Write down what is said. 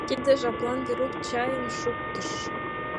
Тиде жаплан Верук чайым шуктыш.